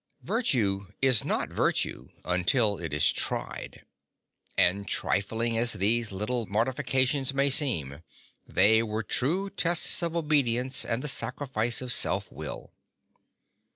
Virtue is not virtue until it is tried, and trifling as these little mortifications may seem, they were true tests of obedi ence and the sacrifice of self will.